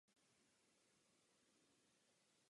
Tato děla však nebyla nikdy postavena.